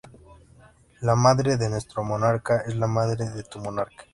La madre de nuestro monarca es la madre de tu monarca.